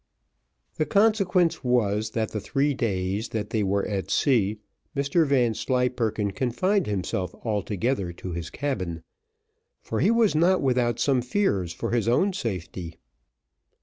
The consequence was, that the three days that they were at sea, Mr Vanslyperken confined himself altogether to his cabin, for he was not without some fears for his own safety.